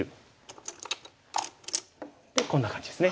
でこんな感じですね。